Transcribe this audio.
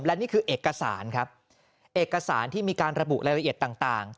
และนี่คือเอกสารครับเอกสารที่มีการระบุรายละเอียดต่าง